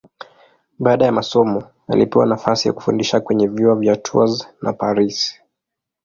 Baada ya masomo alipewa nafasi ya kufundisha kwenye vyuo vya Tours na Paris.